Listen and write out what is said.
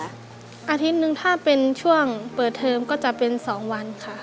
อาทิตย์หนึ่งถ้าเป็นช่วงเปิดเทอมก็จะเป็น๒วันค่ะ